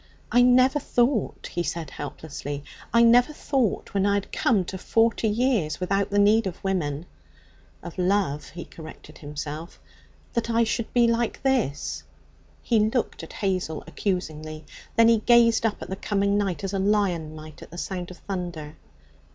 'I never thought,' he said helplessly 'I never thought, when I had come to forty years without the need of women' ('of love,' he corrected himself), 'that I should be like this.' He looked at Hazel accusingly; then he gazed up at the coming night as a lion might at the sound of thunder.